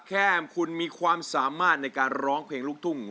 แค่คุณมีความสามารถในการร้องเพลงลูกทุ่ง